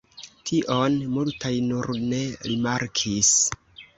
Tion multaj nur ne rimarkis.